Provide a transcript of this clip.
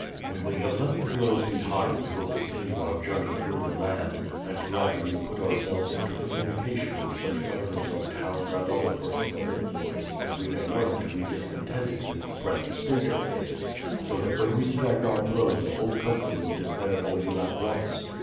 "When we have left the girls behind we will continue our journey through the land, and gradually put ourselves into communication with such governors of towns and other persons of influence as we may learn to be discontented with the present state of things, so that when we strike our blow the whole country will declare for you at once.